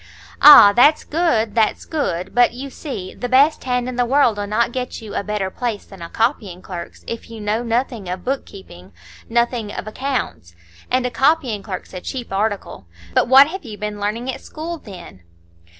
"Ah! that's good, that's good. But, you see, the best hand in the world'll not get you a better place than a copying clerk's, if you know nothing of book keeping,—nothing of accounts. And a copying clerk's a cheap article. But what have you been learning at school, then?"